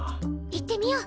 行ってみよう！